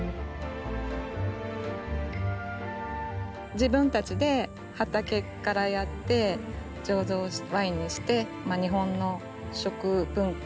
自分たちで畑からやって醸造ワインにして日本の食文化